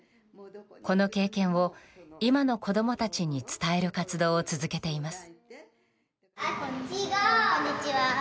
この経験を今の子供たちに伝える活動を続けています。